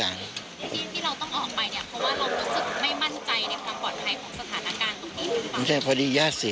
ไม่ใช่พอดีญาติเสียเขาโทรมาญาติเสีย